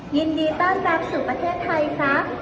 ยินดีต้อนรับสู่ประเทศไทยครับ